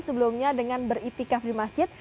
sebelumnya dengan beritikaf di masjid